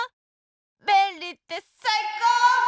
べんりってさいこう！